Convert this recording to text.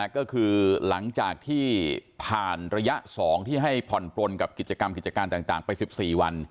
ก็คือหลังจากที่ผ่านระยะ๒ที่ให้ผ่อนปลนกับกิจกรรมกิจการต่างไป๑๔วัน